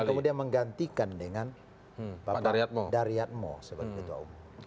dan kemudian menggantikan dengan pak daryat mo sebagai ketua umum